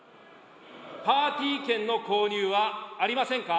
パーティー券の購入はありませんか？